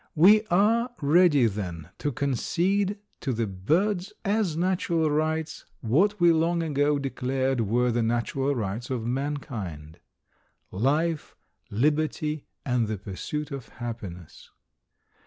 We are ready, then, to concede to the birds as natural rights what we long ago declared were the natural rights of mankind, "Life, Liberty and the Pursuit of Happiness."